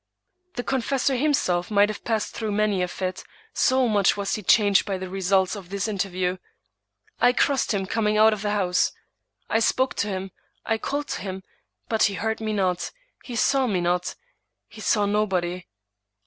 The confessor himself might have passed through many a fit, so much was he changed by the results of this interview. I crossed him coming out of the house. I spoke to him — I called to him; but he heard me not — he saw me not. He saw nobody.